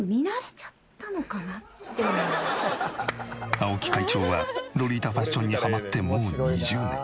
青木会長はロリータファッションにハマってもう２０年。